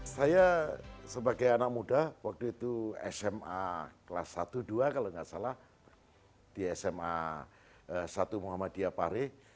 saya sebagai anak muda waktu itu sma kelas satu dua kalau nggak salah di sma satu muhammadiyah pare